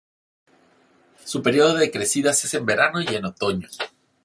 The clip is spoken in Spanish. Su período de crecidas es en verano y en otoño.